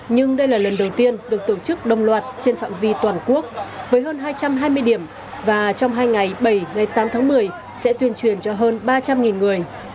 nhưng đây là lần đầu tiên được tổ chức đồng loạt trên phạm vi toàn quốc với hơn hai trăm hai mươi điểm và trong hai ngày bảy ngày tám tháng một mươi sẽ tuyên truyền cho hơn ba trăm linh người